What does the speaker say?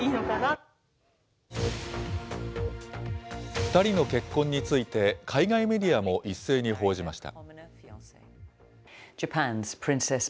２人の結婚について海外メディアも一斉に報じました。